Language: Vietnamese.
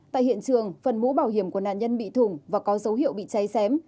tại hiện trường phần mũ bảo hiểm của nạn nhân bị thủng và có dấu hiệu bị cháy xém